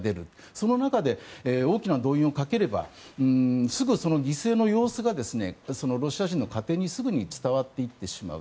その中で大きな動員をかければすぐにその犠牲の様子がロシア人の家庭にすぐに伝わっていってしまう。